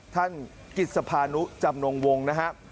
ท่านกิจสภานุจำนงวงนะครับ